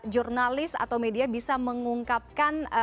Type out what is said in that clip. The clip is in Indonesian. jurnalis atau media bisa mengungkapkan